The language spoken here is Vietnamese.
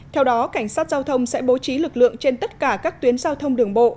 theo đó cảnh sát giao thông sẽ bố trí lực lượng trên tất cả các tuyến giao thông đường bộ